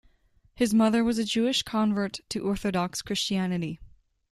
His mother was a Jewish convert to Orthodox Christianity.